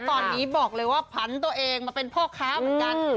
ตอนนี้บอกเลยว่าผันตัวเองมาเป็นพ่อค้าเหมือนกัน